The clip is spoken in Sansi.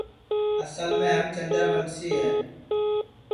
اصل میں ہم چندروسی ہے